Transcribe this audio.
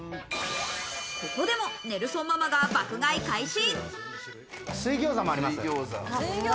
ここでもネルソンママが爆買い開始。